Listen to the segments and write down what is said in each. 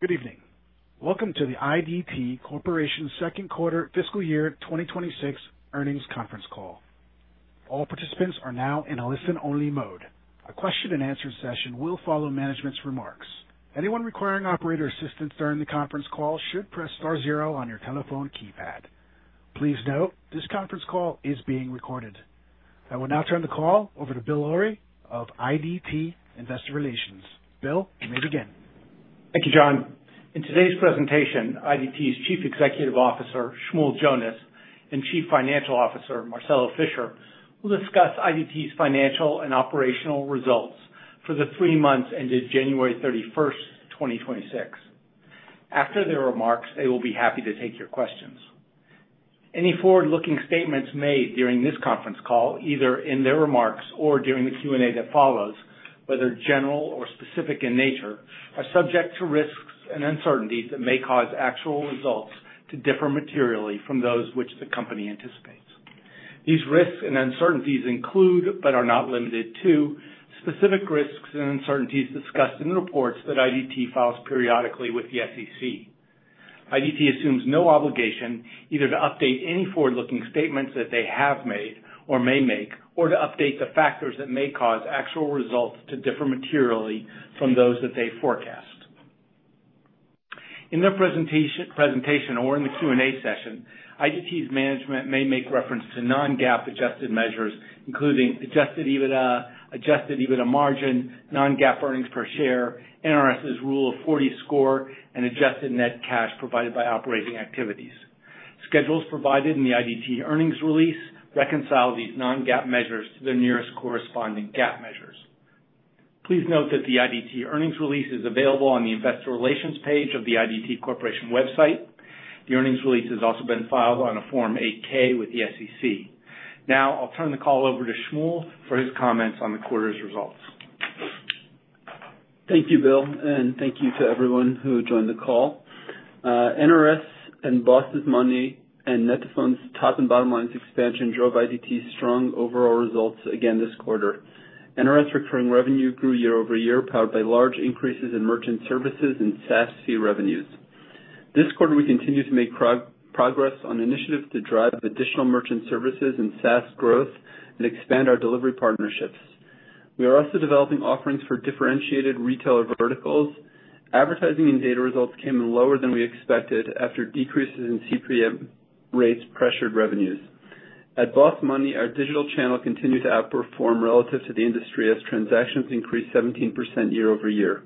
Good evening. Welcome to the IDT Corporation second quarter fiscal year 2026 earnings conference call. All participants are now in a listen-only mode. A question-and-answer session will follow management's remarks. Anyone requiring operator assistance during the conference call should press star zero on your telephone keypad. Please note, this conference call is being recorded. I will now turn the call over to Bill Ulrey of IDT Investor Relations. Bill, you may begin. Thank you, John. In today's presentation, IDT's Chief Executive Officer, Shmuel Jonas and Chief Financial Officer, Marcelo Fischer, will discuss IDT's financial and operational results for the three months ended 31 January 2026. After their remarks, they will be happy to take your questions. Any forward-looking statements made during this conference call, either in their remarks or during the Q&A that follows, whether general or specific in nature, are subject to risks and uncertainties that may cause actual results to differ materially from those which the company anticipates. These risks and uncertainties include but are not limited to, specific risks and uncertainties discussed in the reports that IDT files periodically with the SEC. IDT assumes no obligation either to update any forward-looking statements that they have made or may make or to update the factors that may cause actual results to differ materially from those that they forecast. In their presentation or in the Q&A session, IDT's management may make reference to non-GAAP adjusted measures, including adjusted EBITDA, adjusted EBITDA margin, non-GAAP earnings per share, NRS's Rule of 40 score and adjusted net cash provided by operating activities. Schedules provided in the IDT earnings release reconcile these non-GAAP measures to their nearest corresponding GAAP measures. Please note that the IDT earnings release is available on the investor relations page of the IDT Corporation website. The earnings release has also been filed on a Form 8-K with the SEC. Now I'll turn the call over to Shmuel for his comments on the quarter's results. Thank you, Bill and thank you to everyone who joined the call. NRS and BOSS Money and Net2Phone's top and bottom lines expansion drove IDT's strong overall results again this quarter. NRS recurring revenue grew year-over-year, powered by large increases in merchant services and SaaS fee revenues. This quarter, we continue to make progress on initiatives to drive additional merchant services and SaaS growth and expand our delivery partnerships. We are also developing offerings for differentiated retailer verticals. Advertising and data results came in lower than we expected after decreases in CPM rates pressured revenues. At BOSS Money, our digital channel continued to outperform relative to the industry as transactions increased 17% year-over-year.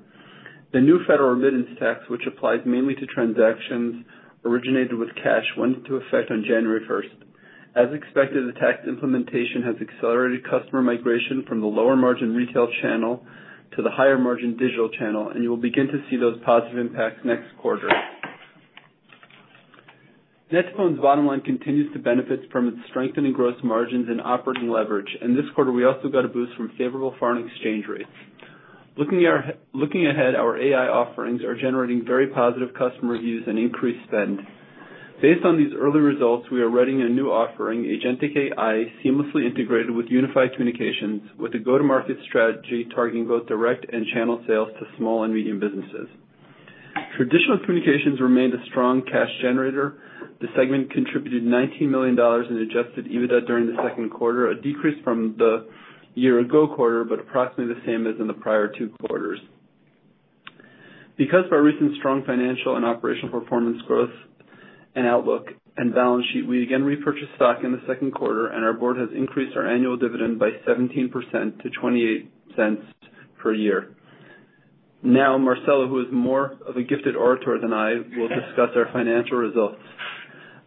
The new federal remittance tax, which applies mainly to transactions originated with cash, went into effect on 1 January. As expected, the tax implementation has accelerated customer migration from the lower margin retail channel to the higher margin digital channel and you will begin to see those positive impacts next quarter. Net2Phone's bottom line continues to benefit from its strengthening gross margins and operating leverage. This quarter, we also got a boost from favorable foreign exchange rates. Looking ahead, our AI offerings are generating very positive customer reviews and increased spend. Based on these early results, we are writing a new offering, Agentic AI, seamlessly integrated with Unified Communications with a go-to-market strategy targeting both direct and channel sales to small and medium businesses. Traditional Communications remained a strong cash generator. The segment contributed $19 million in adjusted EBITDA during the second quarter, a decrease from the year ago quarter but approximately the same as in the prior two quarters. Because of our recent strong financial and operational performance growth and outlook and balance sheet, we again repurchased stock in the second quarter and our board has increased our annual dividend by 17% to $0.28 per year. Now, Marcelo, who is more of a gifted orator than I, will discuss our financial results.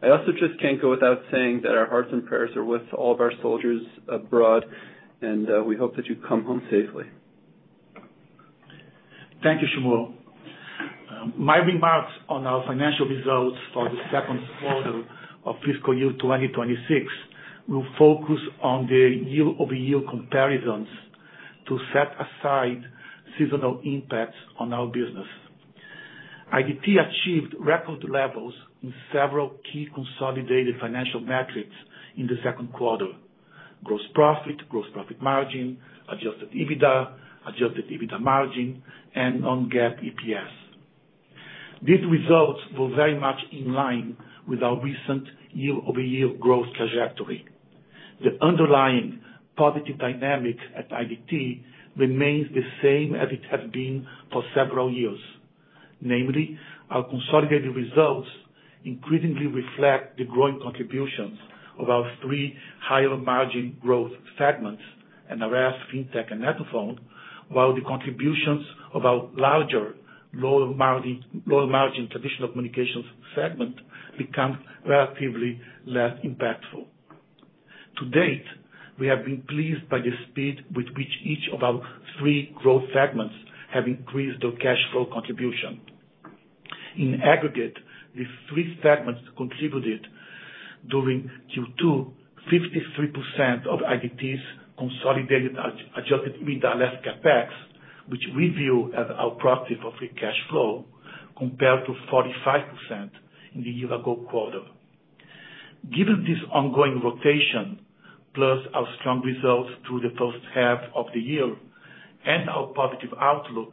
I also just can't go without saying that our hearts and prayers are with all of our soldiers abroad and we hope that you come home safely. Thank you, Shmuel. My remarks on our financial results for the second quarter of fiscal year 2026 will focus on the year-over-year comparisons to set aside seasonal impacts on our business. IDT achieved record levels in several key consolidated financial metrics in the second quarter. Gross profit, gross profit margin, adjusted EBITDA, adjusted EBITDA margin and non-GAAP EPS. These results were very much in line with our recent year-over-year growth trajectory. The underlying positive dynamic at IDT remains the same as it has been for several years. Namely, our consolidated results increasingly reflect the growing contributions of our three higher margin growth segments, NRS, Fintech and Net2Phone, while the contributions of our larger low margin Traditional Communications segment become relatively less impactful. To date, we have been pleased by the speed with which each of our three growth segments have increased their cash flow contribution. In aggregate, these three segments contributed during Q2, 53% of IDT's consolidated adjusted EBITDA less CapEx, which we view as our proxy for free cash flow, compared to 45% in the year-ago quarter. Given this ongoing rotation, plus our strong results through the first half of the year and our positive outlook,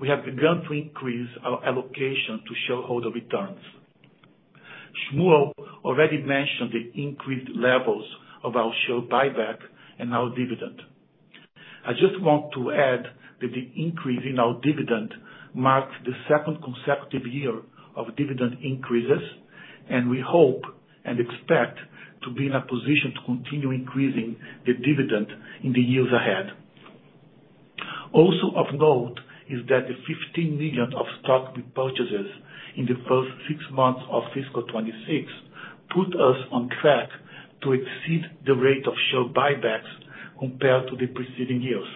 we have begun to increase our allocation to shareholder returns. Shmuel already mentioned the increased levels of our share buyback and our dividend. I just want to add that the increase in our dividend marks the second consecutive year of dividend increases and we hope and expect to be in a position to continue increasing the dividend in the years ahead. Also of note is that the $15 million of stock repurchases in the first six months of fiscal 2026 put us on track to exceed the rate of share buybacks compared to the preceding years.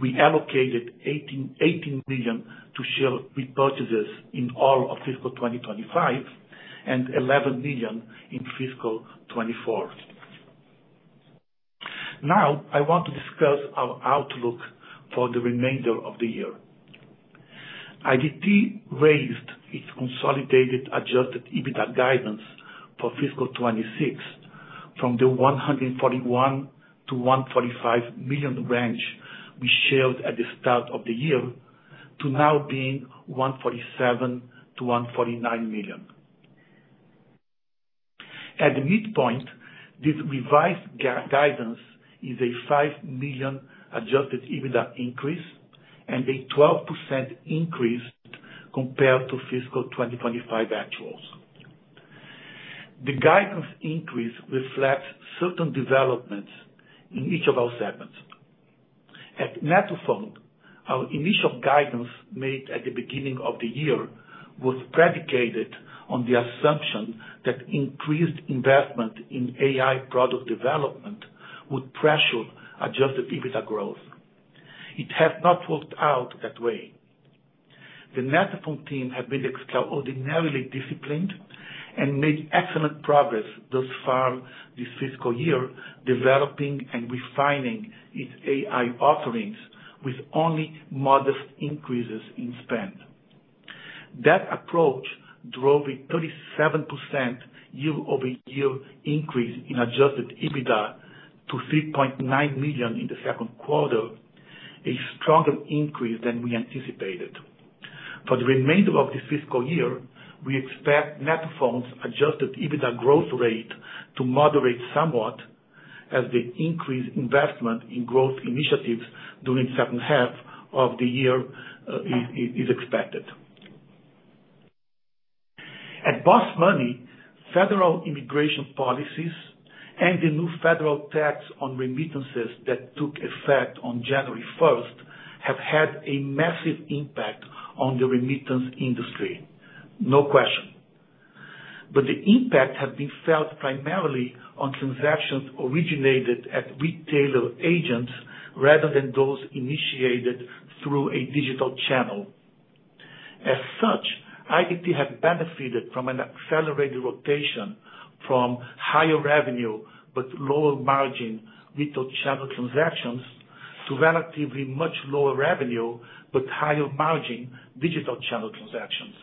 We allocated $18 million to share repurchases in all of fiscal 2025 and $11 million in fiscal 2024. Now, I want to discuss our outlook for the remainder of the year. IDT raised its consolidated adjusted EBITDA guidance for fiscal 2026 from the $141-$145 million range we shared at the start of the year to now being $147-$149 million. At the midpoint, this revised guidance is a $5 million adjusted EBITDA increase and a 12% increase compared to fiscal 2025 actuals. The guidance increase reflects certain developments in each of our segments. At Net2Phone, our initial guidance made at the beginning of the year was predicated on the assumption that increased investment in AI product development would pressure adjusted EBITDA growth. It has not worked out that way. The Net2Phone team have been extraordinarily disciplined and made excellent progress thus far this fiscal year, developing and refining its AI offerings with only modest increases in spend. That approach drove a 37% year-over-year increase in adjusted EBITDA to $3.9 million in the second quarter, a stronger increase than we anticipated. For the remainder of this fiscal year, we expect Net2Phone's adjusted EBITDA growth rate to moderate somewhat as the increased investment in growth initiatives during second half of the year, is expected. At BOSS Money, federal immigration policies and the new federal tax on remittances that took effect on 1 January have had a massive impact on the remittance industry, no question. The impact has been felt primarily on transactions originated at retailer agents rather than those initiated through a digital channel. As such, IDT have benefited from an accelerated rotation from higher revenue but lower margin retail channel transactions to relatively much lower revenue but higher margin digital channel transactions.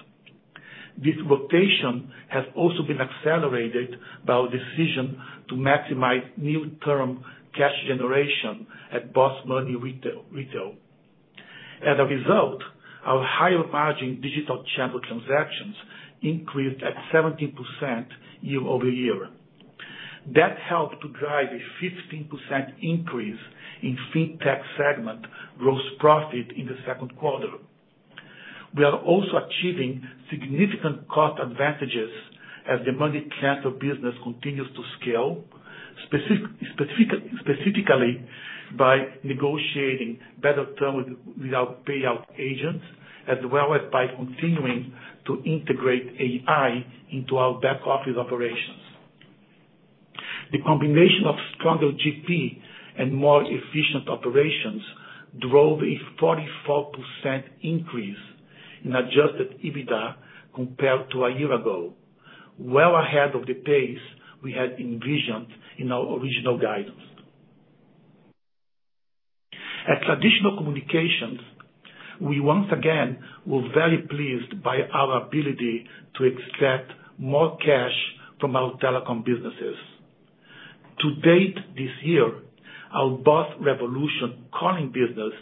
This rotation has also been accelerated by our decision to maximize net new cash generation at BOSS Money retail. As a result, our higher margin digital channel transactions increased at 17% year-over-year. That helped to drive a 15% increase in Fintech segment gross profit in the second quarter. We are also achieving significant cost advantages as the money transfer business continues to scale, specifically by negotiating better terms with our payout agents, as well as by continuing to integrate AI into our back-office operations. The combination of stronger GP and more efficient operations drove a 44% increase in adjusted EBITDA compared to a year ago, well ahead of the pace we had envisioned in our original guidance. At Traditional Communications, we once again were very pleased by our ability to extract more cash from our telecom businesses. To date this year, our BOSS Revolution calling business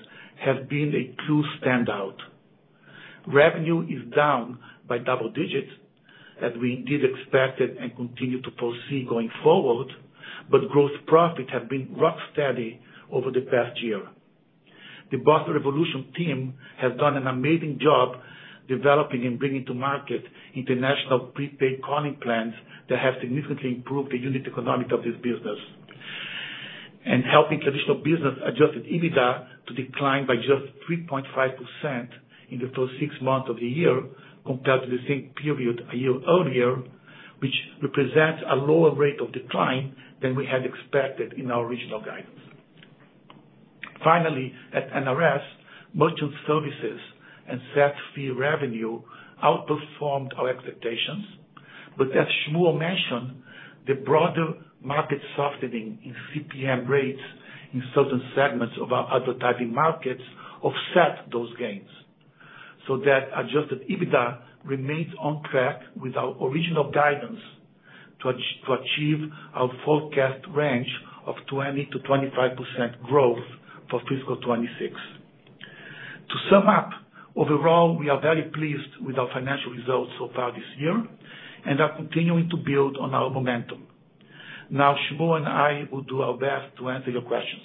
has been a true standout. Revenue is down by double digits, as we did expect it and continue to foresee going forward but gross profit has been rock steady over the past year. The BOSS Revolution team has done an amazing job developing and bringing to market international prepaid calling plans that have significantly improved the unit economics of this business. Helping traditional business adjusted EBITDA to decline by just 3.5% in the first six months of the year compared to the same period a year earlier, which represents a lower rate of decline than we had expected in our original guidance. Finally, at NRS, merchant services and SaaS fee revenue outperformed our expectations. As Shmuel mentioned, the broader market softening in CPM rates in certain segments of our advertising markets offset those gains. That adjusted EBITDA remains on track with our original guidance to achieve our forecast range of 20%-25% growth for fiscal 2026. To sum up, overall, we are very pleased with our financial results so far this year and are continuing to build on our momentum. Now Shmuel and I will do our best to answer your questions.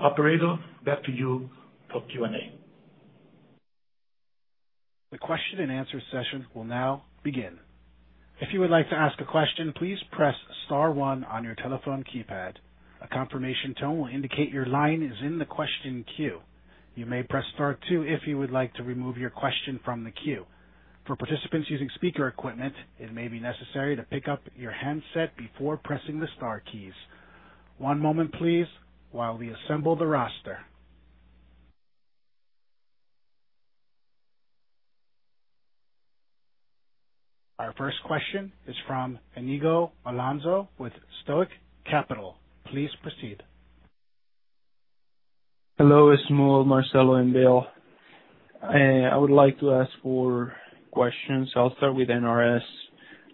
Operator, back to you for Q&A. The question and answer session will now begin. If you would like to ask a question, please press star one on your telephone keypad. A confirmation tone will indicate your line is in the question queue. You may press star two if you would like to remove your question from the queue. For participants using speaker equipment, it may be necessary to pick up your handset before pressing the star keys. One moment please while we assemble the roster. Our first question is from Iñigo Alonso with Stoic Capital. Please proceed. Hello, Shmuel, Marcelo and Bill. I would like to ask four questions. I'll start with NRS.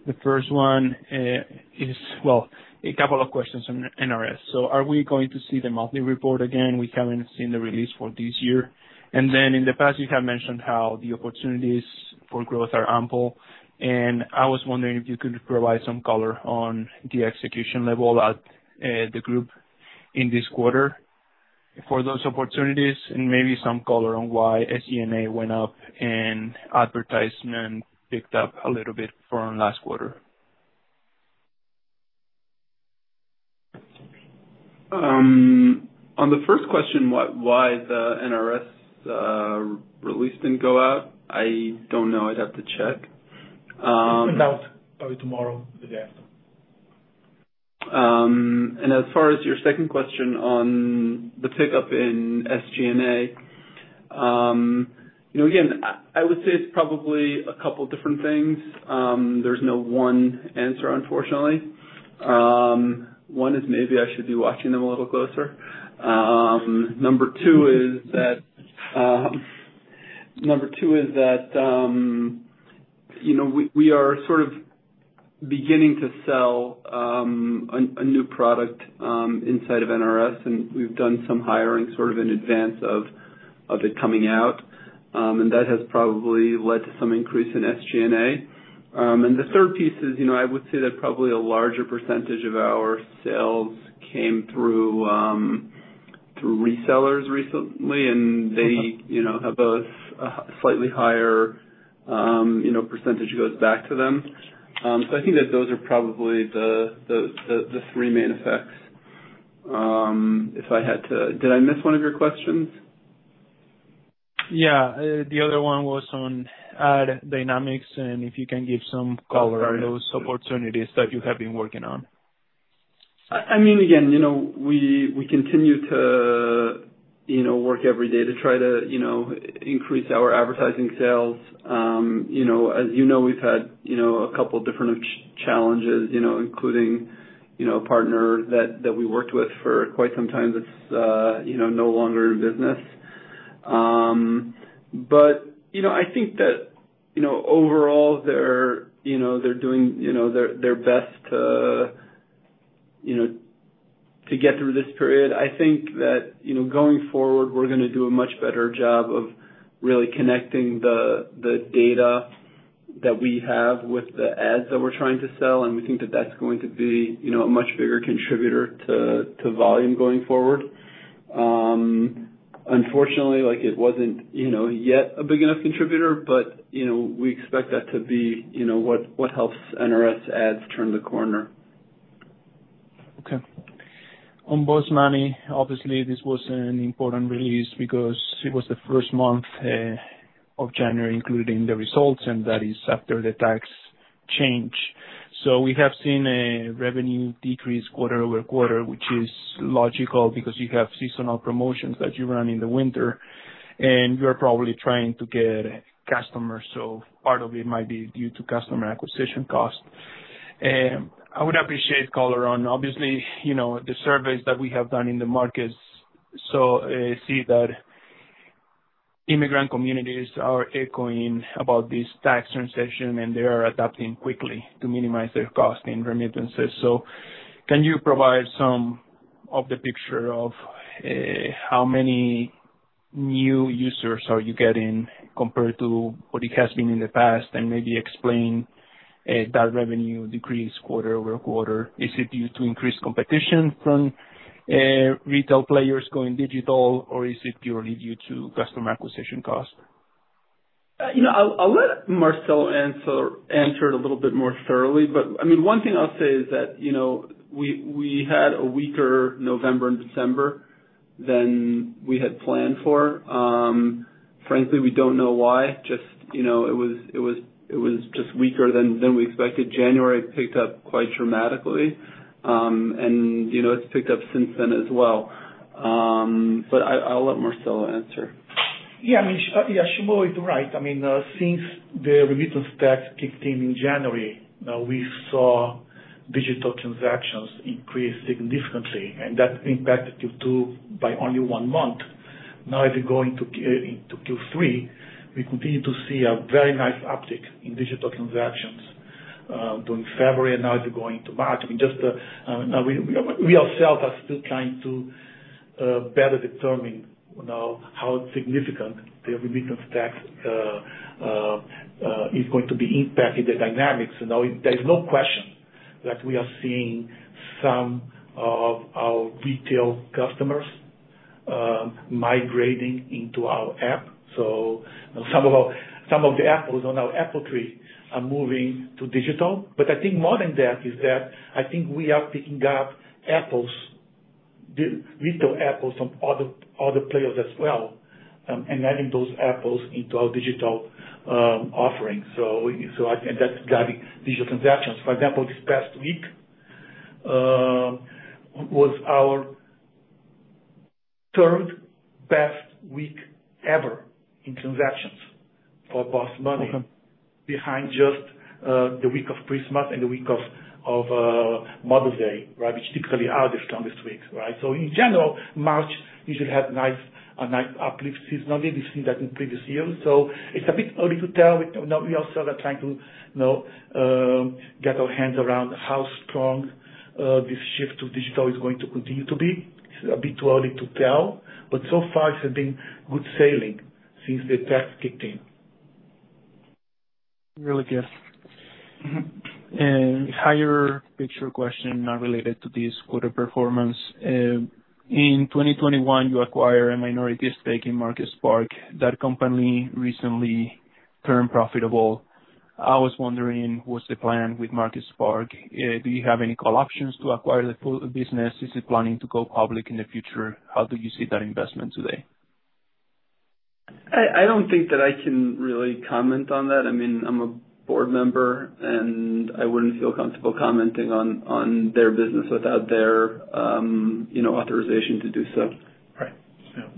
The first one, a couple of questions on NRS. Are we going to see the monthly report again? We haven't seen the release for this year. In the past, you have mentioned how the opportunities for growth are ample and I was wondering if you could provide some color on the execution level at the group in this quarter for those opportunities and maybe some color on why SG&A went up and advertising picked up a little bit from last quarter. On the first question, why the NRS release didn't go out, I don't know. I'd have to check. It comes out probably tomorrow or the day after. As far as your second question on the pickup in SG&A, you know, again, I would say it's probably a couple different things. There's no one answer, unfortunately. One is maybe I should be watching them a little closer. Number two is that, you know, we are sort of beginning to sell a new product inside of NRS and we've done some hiring sort of in advance of it coming out. That has probably led to some increase in SG&A. The third piece is, you know, I would say that probably a larger percentage of our sales came through resellers recently and they, you know, have a slightly higher, you know, percentage goes back to them. I think that those are probably the three main effects. Did I miss one of your questions? Yeah. The other one was on ad dynamics and if you can give some color on those opportunities that you have been working on. I mean, again, you know, we continue to, you know, work every day to try to, you know, increase our advertising sales. You know, as you know, we've had, you know, a couple different challenges, you know, including, you know, a partner that we worked with for quite some time that's no longer in business. I think that, you know, overall they're doing, you know, their best to get through this period. I think that, you know, going forward, we're gonna do a much better job of really connecting the data that we have with the ads that we're trying to sell and we think that that's going to be, you know, a much bigger contributor to volume going forward. Unfortunately, like, it wasn't, you know, yet a big enough contributor but, you know, we expect that to be, you know, what helps NRS ads turn the corner. Okay. On BOSS Money, obviously this was an important release because it was the first month of January including the results and that is after the tax change. We have seen a revenue decrease quarter-over-quarter, which is logical because you have seasonal promotions that you run in the winter and you're probably trying to get customers, so part of it might be due to customer acquisition costs. I would appreciate color on, obviously, you know, the surveys that we have done in the markets so we see that immigrant communities are aware of this tax transition and they are adapting quickly to minimize their cost in remittances. Can you provide a picture of how many new users are you getting compared to what it has been in the past and maybe explain that revenue decrease quarter-over-quarter? Is it due to increased competition from retail players going digital or is it purely due to customer acquisition costs? You know, I'll let Marcelo answer it a little bit more thoroughly but I mean, one thing I'll say is that you know, we had a weaker November and December than we had planned for. Frankly, we don't know why. Just you know, it was just weaker than we expected. January picked up quite dramatically and you know, it's picked up since then as well. I'll let Marcelo answer. Yeah, I mean, yeah, Shmuel is right. I mean, since the remittance tax kicked in in January, we saw digital transactions increased significantly and that impacted Q2 by only one month. Now as we go into Q3, we continue to see a very nice uptick in digital transactions during February and now as we go into March. I mean, just now we ourselves are still trying to better determine, you know, how significant the remittance tax is going to be impacting the dynamics. You know, there is no question that we are seeing some of our retail customers migrating into our app. So some of the apples on our apple tree are moving to digital. I think more than that is that I think we are picking up apples, the little apples from other players as well and adding those apples into our digital offering. I think that's driving digital transactions. For example, this past week was our third-best week ever in transactions for BOSS Money behind just the week of Christmas and the week of Mother's Day, right, which typically are the strongest weeks, right? In general, March, you should have a nice uplift seasonally. We've seen that in previous years. It's a bit early to tell. You know, we also are trying to, you know, get our hands around how strong this shift to digital is going to continue to be. It's a bit too early to tell but so far it has been good sailing since the tax kicked in. Really good. Big-picture question, not related to this quarter performance. In 2021, you acquire a minority stake in MarketSpark. That company recently turned profitable. I was wondering, what's the plan with MarketSpark? Do you have any call options to acquire the full business? Is it planning to go public in the future? How do you see that investment today? I don't think that I can really comment on that. I mean, I'm a board member and I wouldn't feel comfortable commenting on their business without their, you know, authorization to do so. Right.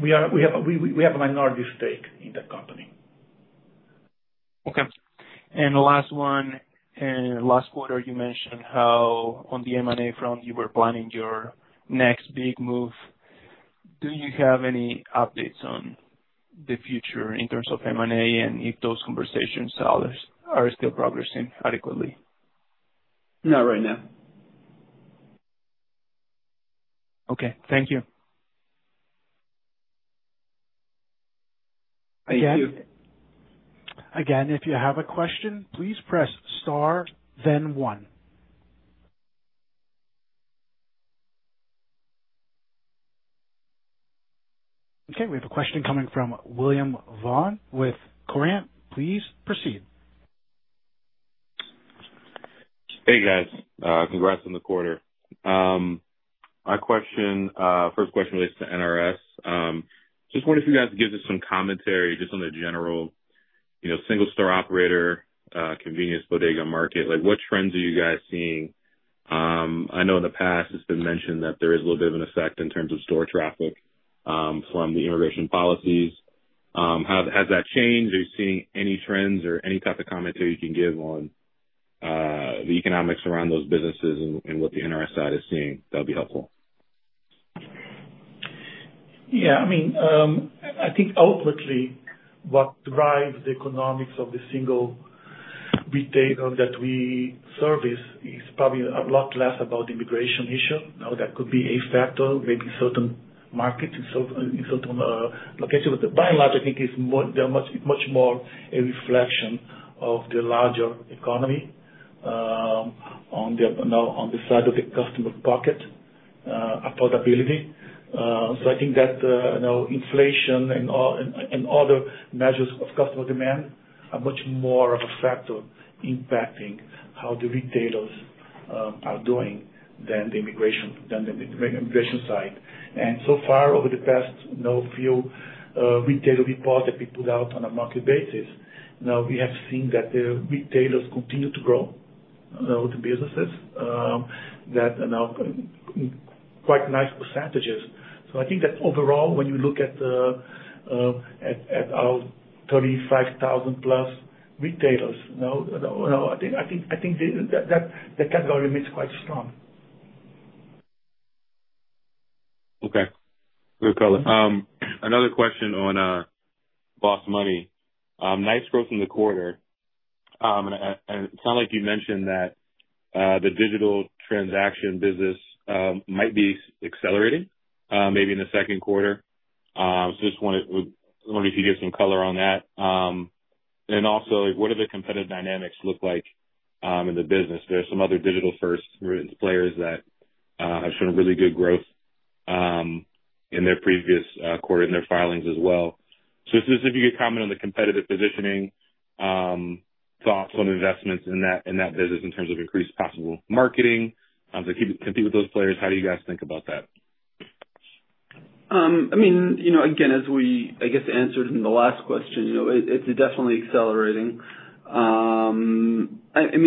We have a minority stake in that company. Okay. Last one. Last quarter, you mentioned how on the M&A front you were planning your next big move. Do you have any updates on the future in terms of M&A and if those conversations at all are still progressing adequately? Not right now. Okay. Thank you. Thank you. Again, if you have a question, please press star then one. Okay, we have a question coming from William Vaughan with Corient. Please proceed. Hey, guys. Congrats on the quarter. My first question relates to NRS. Just wonder if you guys could give us some commentary just on the general single store operator convenience bodega market. Like, what trends are you guys seeing? I know in the past it's been mentioned that there is a little bit of an effect in terms of store traffic from the immigration policies. Has that changed? Are you seeing any trends or any type of commentary you can give on the economics around those businesses and what the NRS side is seeing, that'll be helpful. Yeah, I mean, I think ultimately what drives the economics of the single retailer that we service is probably a lot less about immigration issue. Now, that could be a factor, maybe certain markets in certain locations. But by and large, I think it's more, they're much, much more a reflection of the larger economy, you know, on the side of the customer pocket, affordability. So I think that, you know, inflation and all and other measures of customer demand are much more of a factor impacting how the retailers are doing than the immigration side. So far over the past, you know, few retailer reports that we put out on a monthly basis, you know, we have seen that the retailers continue to grow the businesses that are now quite nice percentages. I think that overall when you look at our 35,000+ retailers, you know, I think that category remains quite strong. Okay. Good color. Another question on BOSS Money. Nice growth in the quarter. It sounds like you mentioned that the digital transaction business might be accelerating, maybe in the second quarter. Just wondering if you could give some color on that. Also, like, what do the competitive dynamics look like in the business? There are some other digital-first players that have shown really good growth in their previous quarter in their filings as well. Just if you could comment on the competitive positioning, thoughts on investments in that business in terms of increased possible marketing to compete with those players. How do you guys think about that? I mean, you know, again, as we, I guess, answered in the last question, you know, it's definitely accelerating. I mean,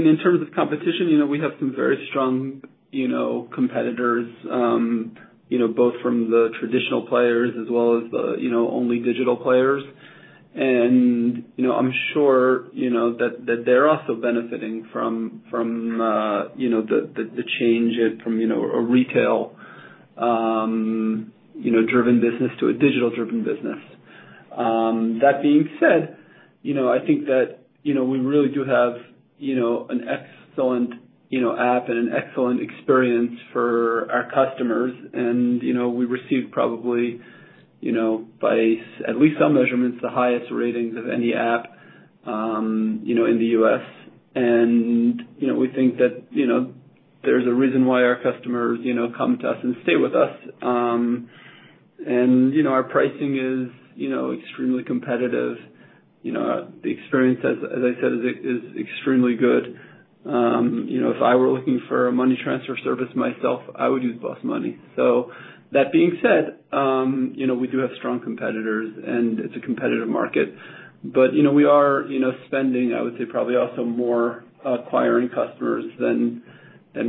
in terms of competition, you know, we have some very strong, you know, competitors, you know, both from the traditional players as well as the, you know, only digital players. You know, I'm sure, you know, that they're also benefiting from, you know, the change from, you know, a retail, you know, driven business to a digital-driven business. That being said, you know, I think that, you know, we really do have, you know, an excellent, you know, app and an excellent experience for our customers. You know, we received probably, you know, by at least some measurements, the highest ratings of any app, you know, in the U.S.. You know, we think that, you know, there's a reason why our customers, you know, come to us and stay with us. you know, our pricing is, you know, extremely competitive. You know, the experience as I said, is extremely good. you know, if I were looking for a money transfer service myself, I would use BOSS Money. that being said, you know, we do have strong competitors and it's a competitive market. you know, we are, you know, spending, I would say probably also more acquiring customers than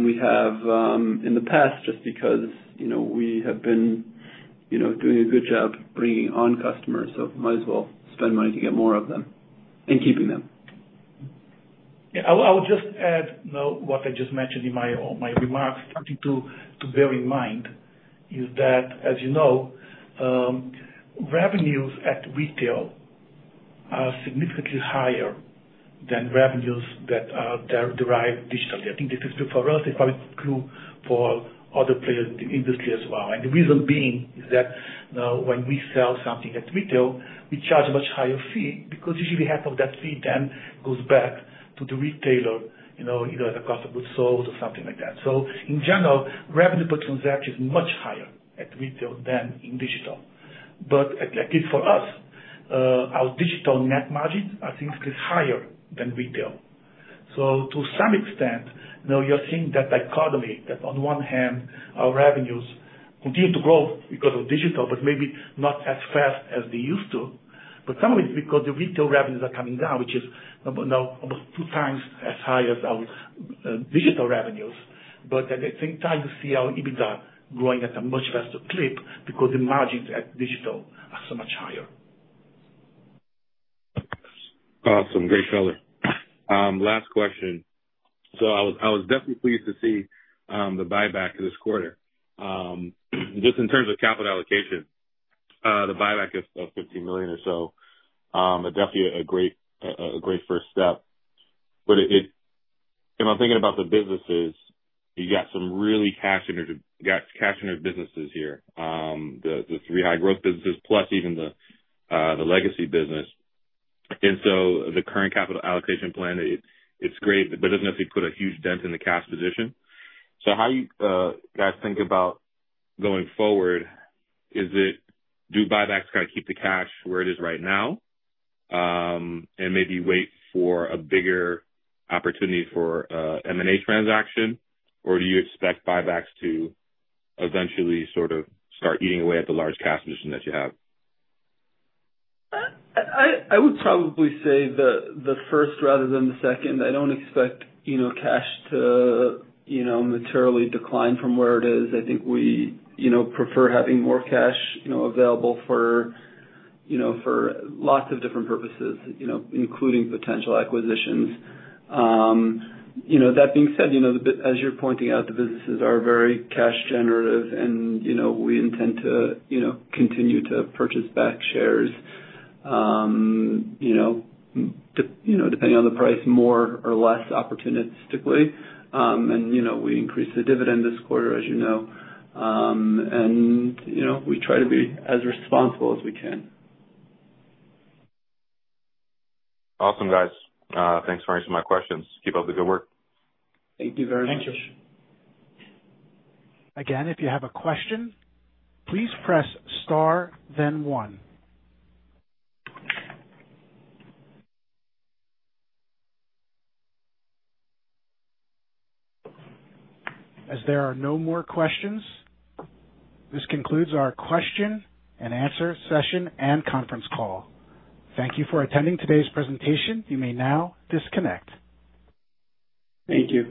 we have in the past, just because, you know, we have been, you know, doing a good job bringing on customers, so might as well spend money to get more of them. keeping them. Yeah. I'll just add now what I just mentioned in my own remarks. Something to bear in mind is that, as you know, revenues at retail are significantly higher than revenues that are derived digitally. I think this is true for us. It's probably true for other players in the industry as well. The reason being is that now when we sell something at retail, we charge a much higher fee because usually half of that fee then goes back to the retailer, you know, either the cost of goods sold or something like that. In general, revenue per transaction is much higher at retail than in digital. But as for us, our digital net margins are significantly higher than retail. To some extent, now you're seeing that dichotomy that on one hand our revenues continue to grow because of digital but maybe not as fast as they used to. Some of it is because the retail revenues are coming down, which is about now almost two times as high as our digital revenues. At the same time, you see our EBITDA growing at a much faster clip because the margins at digital are so much higher. Awesome. Great color. Last question. I was definitely pleased to see the buyback this quarter. Just in terms of capital allocation, the buyback is of $50 million or so, definitely a great first step. But if I'm thinking about the businesses, you got some really cash generative businesses here. The three high growth businesses, plus even the legacy business. The current capital allocation plan, it's great but it doesn't actually put a huge dent in the cash position. How are you guys think about going forward? Is it do buybacks kind of keep the cash where it is right now and maybe wait for a bigger opportunity for M&A transaction? Do you expect buybacks to eventually sort of start eating away at the large cash position that you have? I would probably say the first rather than the second. I don't expect, you know, cash to, you know, materially decline from where it is. I think we, you know, prefer having more cash, you know, available for, you know, for lots of different purposes, you know, including potential acquisitions. You know, that being said, you know, as you're pointing out, the businesses are very cash generative and, you know, we intend to, you know, continue to purchase back shares, you know, depending on the price, more or less opportunistically. We increased the dividend this quarter, as you know. We try to be as responsible as we can. Awesome, guys. Thanks for answering my questions. Keep up the good work. Thank you very much. Thank you. Again, if you have a question, please press star then one. As there are no more questions, this concludes our question and answer session and conference call. Thank you for attending today's presentation. You may now disconnect. Thank you.